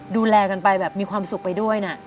ดูแลกันไปแบบมีความสุขไปด้วยนะ